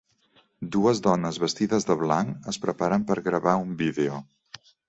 dues dones vestides de blanc es preparen per gravar un vídeo.